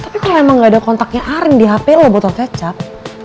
tapi kalo emang gak ada kontaknya arin di hp lu botol kecap